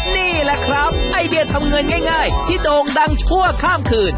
นี่แหละครับไอเดียทำเงินง่ายที่โด่งดังชั่วข้ามคืน